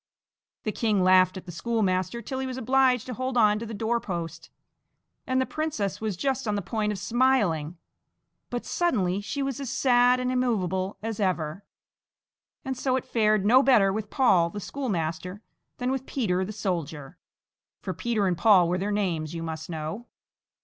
The king laughed at the schoolmaster till he was obliged to hold on to the door post, and the princess was just on the point of smiling, but suddenly she was as sad and immovable as ever, and so it fared no better with Paul the schoolmaster than with Peter the soldier for Peter and Paul were their names, you must know!